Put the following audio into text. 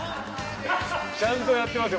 ちゃんとやってますよ